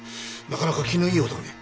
なかなか気のいい男で。